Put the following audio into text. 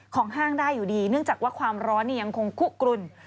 ห้างได้อยู่ดีเนื่องจากว่าความร้อนยังคงคุกกลุ่น